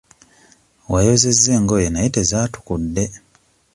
Wayozezza engoye naye tezaatukudde.